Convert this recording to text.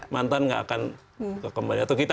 mantan gak akan kembali atau kita